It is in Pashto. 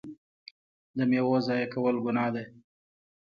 د میوو ضایع کول ګناه ده.